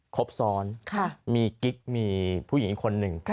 ครบซ้อนมีกิ๊กมีผู้หญิงอีกคนหนึ่ง